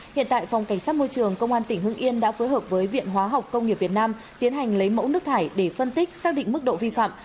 hiện tại phòng cảnh sát môi trường công an tỉnh hưng yên đã phối hợp với viện hóa học công nghiệp việt nam tiến hành lấy mẫu nước thải để phân tích xác định mức độ vi phạm